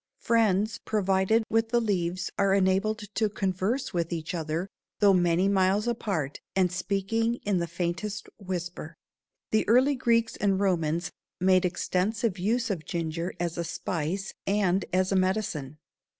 Friends provided with the leaves are enabled to converse with each other, though many miles apart and speaking in the faintest whisper. The early Greeks and Romans made extensive use of ginger as a spice and as a medicine.